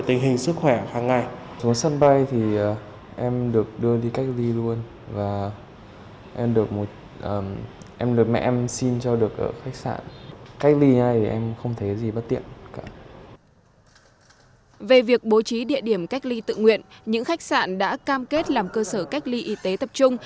trong những điểm cách ly tự nguyện những khách sạn đã cam kết làm cơ sở cách ly y tế tập trung